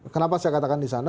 kenapa saya katakan di sana